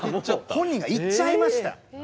本人が行っちゃいました。